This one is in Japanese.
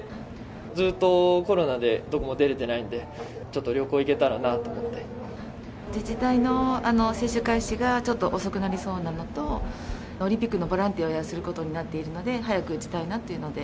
ずっとコロナで、どこも出れてないんで、ちょっと旅行、自治体の接種開始がちょっと遅くなりそうなのと、オリンピックのボランティアをすることになっているので、早く打ちたいなというので。